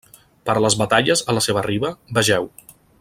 Per les batalles a la seva riba, vegeu.